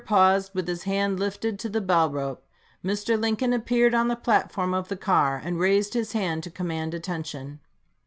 paused with his hand lifted to the bell rope, Mr. Lincoln appeared on the platform of the car, and raised his hand to command attention.